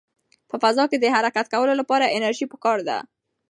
په فضا کې د حرکت کولو لپاره انرژي پکار ده.